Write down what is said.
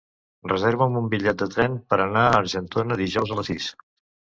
Reserva'm un bitllet de tren per anar a Argentona dijous a les sis.